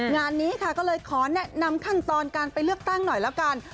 งานนี้ค่ะก็เลยขอแนะนำขั้นตอนการไปเลือกตั้งหน่อยแล้วกัน